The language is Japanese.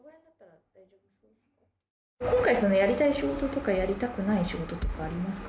今回やりたい仕事とかやりたくない仕事とかありますか？